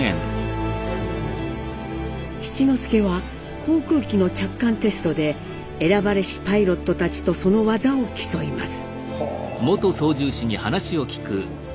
七之助は航空機の着艦テストで選ばれしパイロットたちとその技を競います。